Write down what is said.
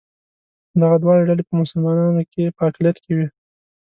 دغه دواړه ډلې په مسلمانانو کې په اقلیت کې وې.